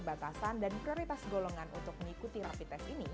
dan adanya keterbatasan dan prioritas golongan untuk mengikuti rapi tes ini